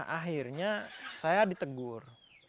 akhirnya saya ditegur